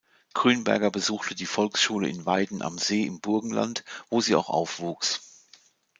Grünberger besuchte die Volksschule in Weiden am See im Burgenland, wo sie auch aufwuchs.